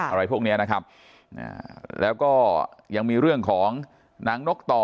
อะไรพวกเนี้ยนะครับแล้วก็ยังมีเรื่องของนางนกต่อ